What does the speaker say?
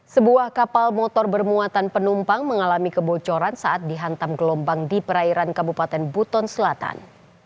sebuah kapal motor bermuatan penumpang mengalami kebocoran saat dihantam gelombang di perairan kabupaten buton selatan